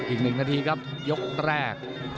อีก๑นาทีครับยกแรก